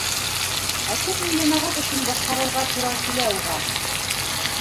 Ә күпме йәмәғәт эшен башҡарырға тура килә уға.